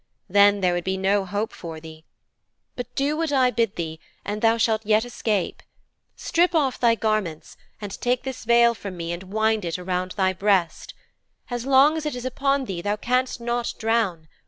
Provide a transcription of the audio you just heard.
Then there would be no hope for thee. But do what I bid thee and thou shalt yet escape. Strip off thy garments and take this veil from me and wind it around thy breast. As long as it is upon thee thou canst not drown.